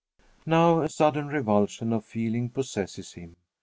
Now a sudden revulsion of feeling possesses him.